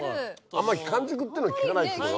あんまり完熟っていうのを聞かないってこと？